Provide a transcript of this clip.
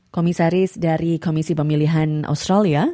komisaris dari komisi pemilihan australia